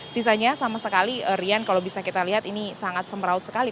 sisanya sama sekali rian kalau bisa kita lihat ini sangat semraut sekali